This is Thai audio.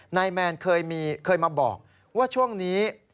นายแมนเคยมาบอกว่าช่วงนี้